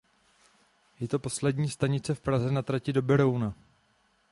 Je to poslední stanice v Praze na trati do Berouna.